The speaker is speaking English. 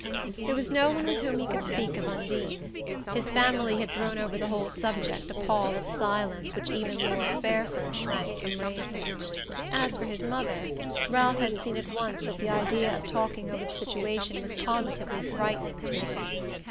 There was no one with whom he could speak of Undine. His family had thrown over the whole subject a pall of silence which even Laura Fairford shrank from raising. As for his mother, Ralph had seen at once that the idea of talking over the situation was positively frightening to her.